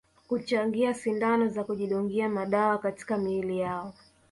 Kuchangia sindano za kujidungia madawa katika miili yao